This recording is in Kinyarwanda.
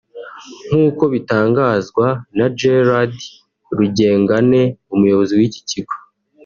nk’uko bitangazwa na Gerard Rugengane umuyobozi w’icyi kigo